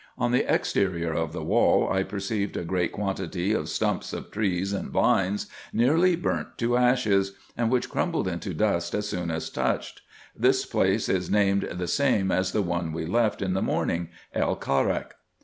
On the exterior of the wall I perceived a great quantity of stumps of trees, and vines, nearly burnt to ashes, and which crumbled into dust as soon as touched. This place is named the same as the one we left in the morning, El Kharak.